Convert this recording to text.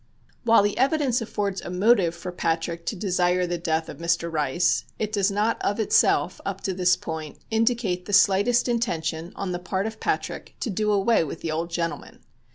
While the evidence affords a motive for Patrick to desire the death of Mr. Rice, it does not of itself, up to this point, indicate the slightest intention on the part of Patrick to do away with the old gentleman.